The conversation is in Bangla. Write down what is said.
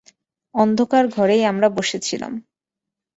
অন্ধকার ঘরেই আমরা বসে ছিলাম।